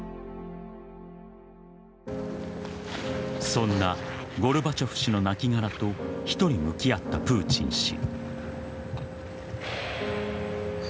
そんなゴルバチョフ氏の亡きがらと１人向き合ったプーチン氏。